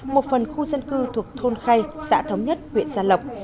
một phần khu dân cư thuộc thôn khay xã thống nhất huyện gia lộc